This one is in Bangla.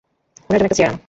উনার জন্য একটা চেয়ার আনো।